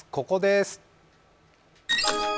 ここです。